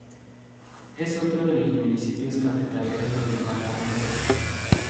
Es otro de los municipios cafetaleros del departamento.